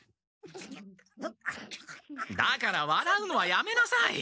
だからわらうのはやめなさい！